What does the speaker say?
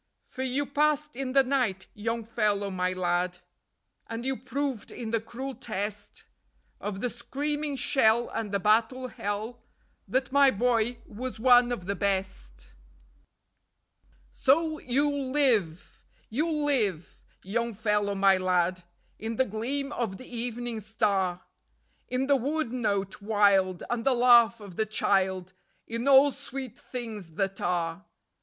_ For you passed in the night, Young Fellow My Lad, And you proved in the cruel test Of the screaming shell and the battle hell That my boy was one of the best. "So you'll live, you'll live, Young Fellow My Lad, In the gleam of the evening star, In the wood note wild and the laugh of the child, In all sweet things that are.